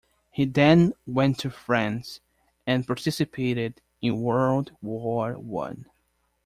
He then went to France and participated in World War One.